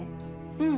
うん。